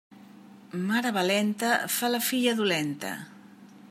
Mare valenta fa la filla dolenta.